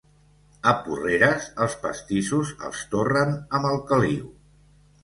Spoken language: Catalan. A Porreres, els pastissos els torren amb el caliu.